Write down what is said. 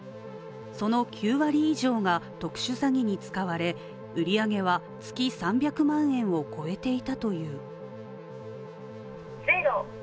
その９割以上が特殊詐欺に使われ売上は月３００万円を超えていたという。